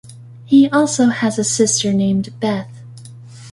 He also has a sister named Beth.